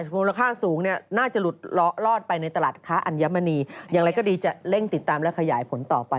มูลค่าสูงเนี่ยน่าจะหลุดลอดไปในตลาดค้าอัญมณีอย่างไรก็ดีจะเร่งติดตามและขยายผลต่อไป